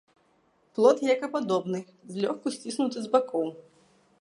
Плод яйкападобны, злёгку сціснуты з бакоў.